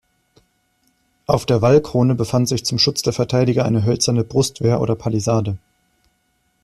Auf der Wallkrone befand sich zum Schutz der Verteidiger eine hölzerne Brustwehr oder Palisade.